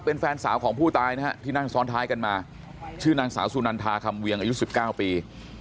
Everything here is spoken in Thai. เป็นแฟนสาวของผู้ตายนะฮะที่นั่งซ้อนท้ายกันมาชื่อนางสาวสุนันทาคำเวียงอายุ๑๙ปี